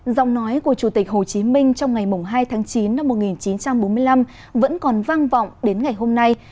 giọng nói của chủ tịch hồ chí minh trong ngày hai tháng chín năm một nghìn chín trăm bốn mươi năm vẫn còn vang vọng đến ngày hôm nay